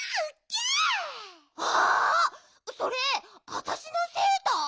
それあたしのセーター？